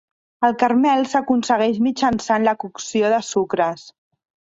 El caramel s'aconsegueix mitjançant la cocció de sucres.